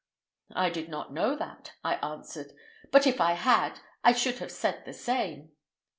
"I did not know that," I answered, "but if I had, I should have said the same."